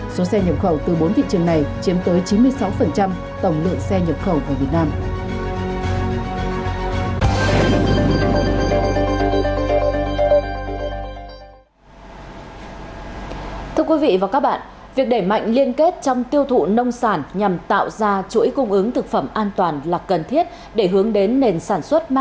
số xe nhập khẩu từ bốn thị trường này chiếm tới chín mươi sáu tổng lượng xe nhập khẩu vào việt nam